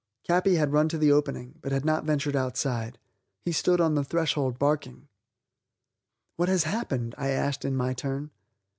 Capi had run to the opening, but had not ventured outside. He stood on the threshold barking. "What has happened?" I asked in my turn.